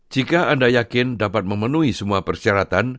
jika anda yakin dapat memenuhi semua persyaratan